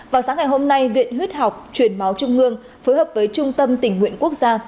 vào sáng ngày hôm nay viện huyết học truyền máu trung ương phối hợp với trung tâm tỉnh nguyện quốc gia